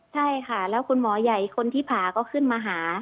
ใช่ค่ะแล้วคุณหมอใหญ่คนที่ผ่าก็ขึ้นมาหา